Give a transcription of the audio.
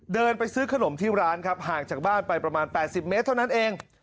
เดินไปซื้อขนมที่ร้านครับห่างจากบ้านไปประมาณ๘๐เมตรเท่านั้นเอง